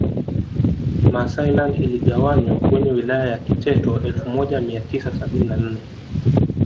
Maasai land iligawanywa kwenye Wilaya ya Kiteto elfu moja mia tisa sabini na nne